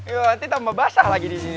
yow nanti tambah basah lagi disini